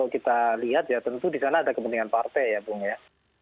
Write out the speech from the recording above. kita lihat ya tentu di sana ada kepentingan partai ya bung ya